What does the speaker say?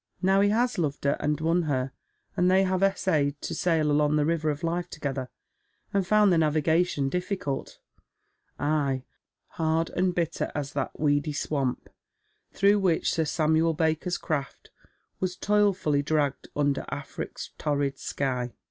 " Now he has loved her and won her, and they have essayed to sail along the river of life together, and found the navigation difficult — ay, hard and bitter as that weedy swamp through which Sir Samuel Baker's craft was toilfully dragged under Afiic's tonid sky.